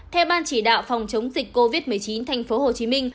theo ban chỉ đạo phòng chống dịch covid một mươi chín tp hcm